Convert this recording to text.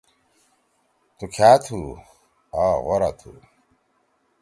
تُو کھأ تُھو؟ آ غورا تُھو۔